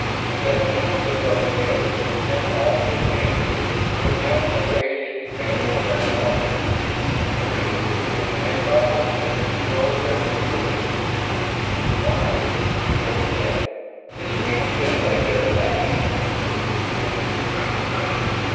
Seven hundred of those ships, and all his men, were now arrayed in defense around Ardry. Three hundred, manned by Omans, were around Fuel Bin. "Why?" Hilton asked. "It's Fuel Bin they've been attacking."